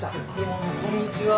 こんにちは。